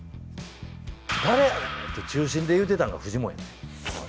って中心で言ってたのがフジモンやねん。